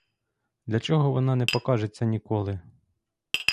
Для чого вона не покажеться ніколи?